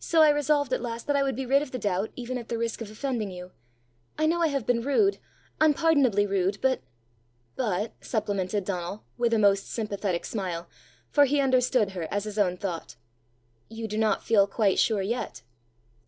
So I resolved at last that I would be rid of the doubt, even at the risk of offending you. I know I have been rude unpardonably rude, but " "But," supplemented Donal, with a most sympathetic smile, for he understood her as his own thought, "you do not feel quite sure yet!